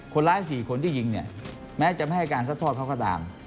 คนร้าย๔คนที่ยิงเนี่ยแม้จะไม่ให้การซัดทอดเขาก็ตาม